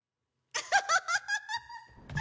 アハハハ！